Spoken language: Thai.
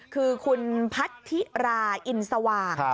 คือคุณพัทธิราอินสว่าง